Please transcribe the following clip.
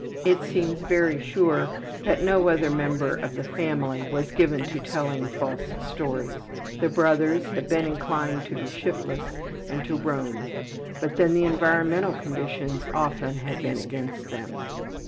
It seems very sure that no other member of the family was given to telling false stories. The brothers have been inclined to be shiftless and to roam, but then the environmental conditions often have been against them.